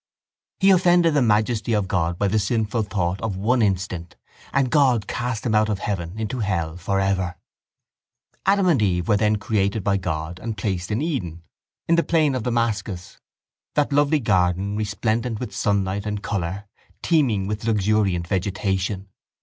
He offended the majesty of God by the sinful thought of one instant and God cast him out of heaven into hell for ever. —Adam and Eve were then created by God and placed in Eden, in the plain of Damascus, that lovely garden resplendent with sunlight and colour, teeming with luxuriant vegetation.